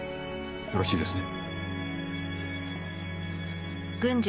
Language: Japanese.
よろしいですね？